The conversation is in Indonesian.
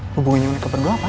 hubungannya mereka berdua apa